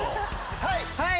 はい！